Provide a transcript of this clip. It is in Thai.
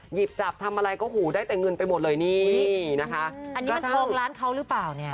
หยิบจับทำอะไรก็หูได้แต่เงินไปหมดเลยนี่นี่นะคะอันนี้มันเทิงร้านเขาหรือเปล่าเนี่ย